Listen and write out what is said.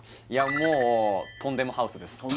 いやもうとんでもハウスです